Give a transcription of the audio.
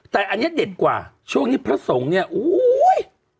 แต่อันนี้เด็ดกว่าช่วงนี้พระสงฆ์เนี่ยอุ้ย